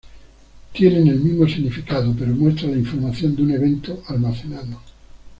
Tienen el mismo significado, pero muestran la información de un evento almacenado.